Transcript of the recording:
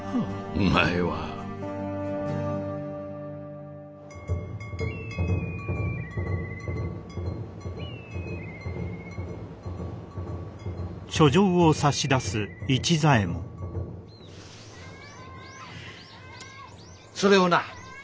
お前はそれをな